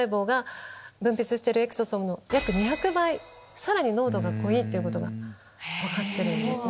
さらに濃度が濃いっていうことが分かってるんですね。